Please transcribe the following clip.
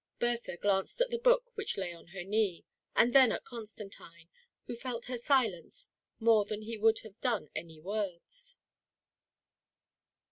Bertha glanced at the book which lay on her knee, and then at Constantine, who felt her silence more than he would have done any words.